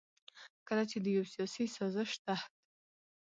کله چې د يو سياسي سازش تحت